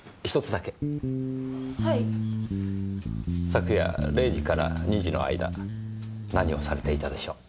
昨夜０時から２時の間何をされていたでしょう？